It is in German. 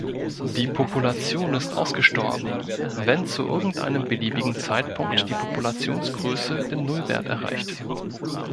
Die Population ist ausgestorben, wenn zu irgendeinem beliebigen Zeitpunkt die Populationsgröße den Nullwert erreicht.